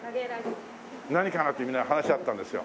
何かな？ってみんなで話し合ったんですよ。